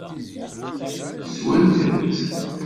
Swant-tt?